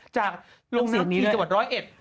จากลงนักศิษย์ที่จังหวัด๑๐๑